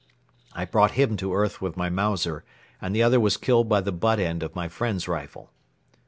I brought him to earth with my Mauser and the other was killed by the butt end of my friend's rifle.